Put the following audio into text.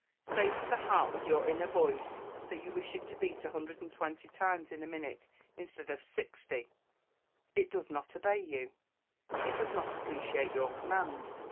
Say to the heart, with your inner voice, that you wish it to beat 120 times in a minute, instead of 60. It does not obey you; it does not appreciate your command.